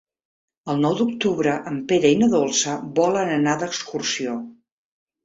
El nou d'octubre en Pere i na Dolça volen anar d'excursió.